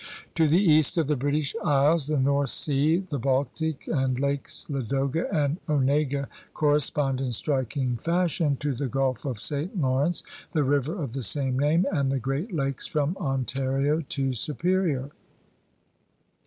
To the east of the British Isles the North Sea, the Bal tic, and Lakes Ladoga and Onega correspond in striking fashion to the Gulf of St. Lawrence, the river of the same name, and the Great Lakes from Ontario to Superior.